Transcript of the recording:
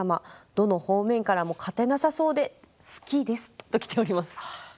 どの方面からも勝てなさそうで好きですときております。